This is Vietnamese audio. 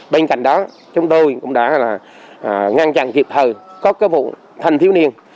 bên cạnh đó chúng tôi cũng đã ngăn chặn kịp thời có các vụ thành thiếu niên